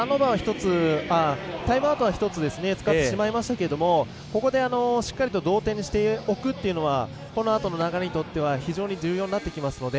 タイムアウトは１つ使ってしまいましたけどもここで、しっかりと同点にしておくというのはこのあとの流れにとっては非常に重要になってきますので。